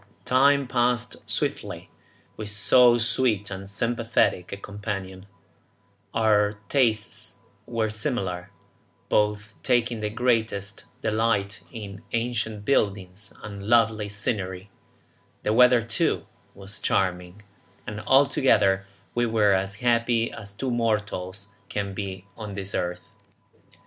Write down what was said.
Time passed swiftly with so sweet and sympathetic a companion; our tastes were similar, both taking the greatest delight in ancient buildings and lovely scenery; the weather, too, was charming, and altogether we were as happy as two mortals can be on this earth.